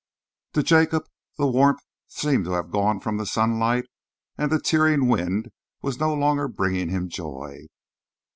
To Jacob, the warmth seemed to have gone from the sunlight, and the tearing wind was no longer bringing him joy.